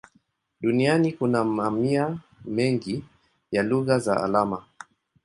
Duniani kuna mamia mengi ya lugha za alama.